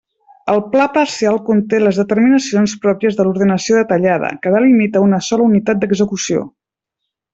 El pla parcial conté les determinacions pròpies de l'ordenació detallada, que delimita una sola unitat d'execució.